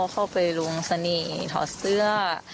เข้าไปลุงสนียถอดซื้อ